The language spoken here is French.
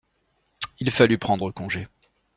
Il fallut prendre congé.